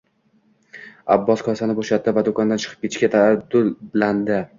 Abbos kosani bo`shatdi va do`kondan chiqib ketishga taraddudlandi